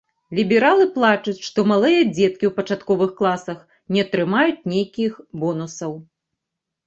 Лібералы плачуць, што малыя дзеткі ў пачатковых класах не атрымаюць нейкіх бонусаў.